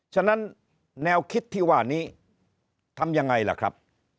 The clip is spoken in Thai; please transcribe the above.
ฉะนั้นแนวคิดที่ว่านี้ทำยังไงล่ะครับ